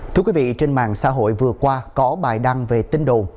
thưa quý vị trên mạng xã hội vừa qua có bài đăng về tin đồn